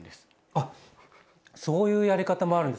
あっそういうやり方もあるんですね。